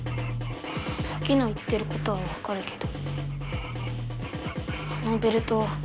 サキの言ってることはわかるけどあのベルトは。